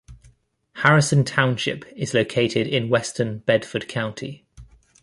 Harrison Township is located in western Bedford County.